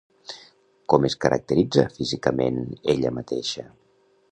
Com es caracteritza, físicament, ella mateixa?